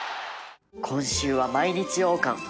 今週は毎日王冠